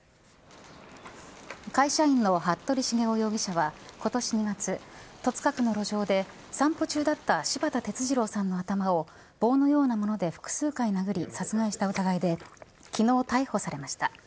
会社員の服部繁雄容疑者は、ことし２月、戸塚区の路上で散歩中だった柴田哲二郎さんの頭を棒のようなもので複数回殴り、殺害した疑いできのう、逮捕されました。